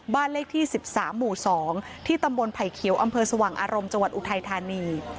บ้านเลขที่๑๓หมู่๒ที่ตำบลไผ่เขียวอำเภอสว่างอารมณ์จังหวัดอุทัยธานี